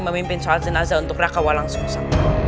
memimpin soal jenazah untuk raka walang sumsa